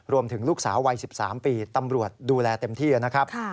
รวมถึงลูกสาววัย๑๓ปีตำรวจดูแลเต็มที่นะครับ